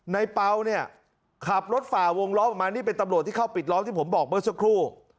เปล่าเนี่ยขับรถฝ่าวงล้อมออกมานี่เป็นตำรวจที่เข้าปิดล้อมที่ผมบอกเมื่อสักครู่